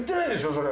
それ。